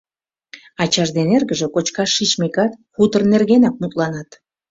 Ачаж ден эргыже, кочкаш шичмекат, хутор нергенак мутланат.